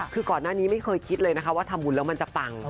คือก่อนหน้านี้ไม่เคยคิดเลยนะคะว่าทำบุญแล้วมันจะปัง